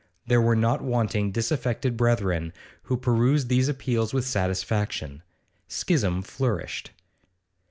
There were not wanting disaffected brethren, who perused these appeals with satisfaction. Schism flourished.